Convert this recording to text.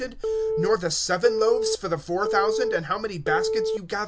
(10)Nor the seven loaves of the four thousand, and how many baskets ye took up?